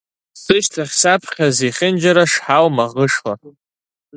Сышьҭахь, саԥхьа, зехьынџьара шҳау маӷышла.